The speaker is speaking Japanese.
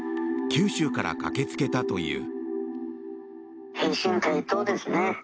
九州から駆けつけたという。